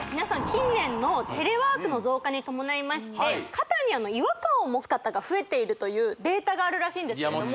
近年のテレワークの増加に伴いまして肩に違和感を持つ方が増えているというデータがあるらしいんです